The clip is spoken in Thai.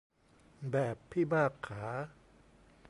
แบบพี่มากขา